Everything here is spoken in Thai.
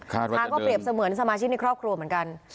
ทางก็เปรียบเสมือนสมาชิกในครอบครัวเหมือนกัน